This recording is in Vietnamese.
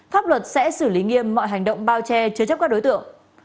pháp luật sẽ xử lý nghiêm mọi hành động bao che chứa chấp các đối tượng